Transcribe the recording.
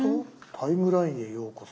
「タイムラインへようこそ」。